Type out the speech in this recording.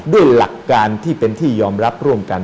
ด้วยหลักการที่เป็นที่ยอมรับร่วมกัน